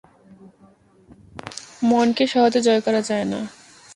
মনকে সহজে জয় করা যায় না।